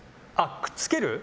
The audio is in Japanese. くっつける？